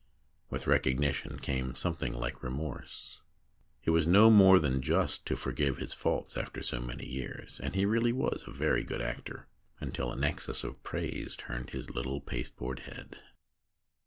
With recog nition came something like remorse. It was no more than just to forgive his faults after so many years, and he really was a very good actor until an excess of praise turned his little pasteboard head.